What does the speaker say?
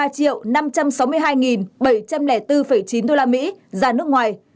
năm mươi ba triệu năm trăm sáu mươi hai bảy trăm linh bốn chín usd ra nước ngoài